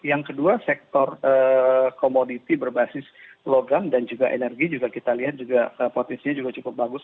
yang kedua sektor komoditi berbasis logam dan juga energi juga kita lihat juga potensinya juga cukup bagus